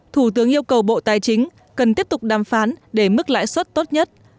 thủ tướng yêu cầu bộ tài chính cần tiếp tục đàm phán để mức lãi suất tốt nhất